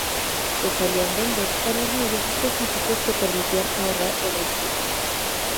Se solían vender con hornillos específicos que permitían ahorrar energía.